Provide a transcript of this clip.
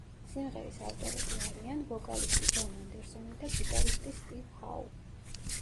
სიმღერის ავტორები არიან ვოკალისტი ჯონ ანდერსონი და გიტარისტი სტივ ჰაუ.